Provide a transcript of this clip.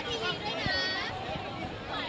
สวัสดีค่ะ